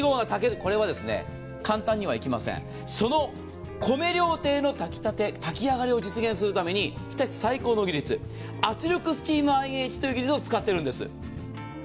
これは簡単にはいきません、その米料亭の炊きたて、炊きあがりを実現するために日立最高の技術、圧力スチームＩＨという技術を使っているんです。